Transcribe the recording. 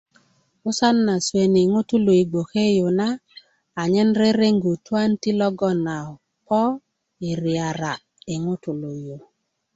'busan na suweni ŋutú i gboke yú na a nyen reregú tuwanti logon aa pó i reyará i ŋutulu yú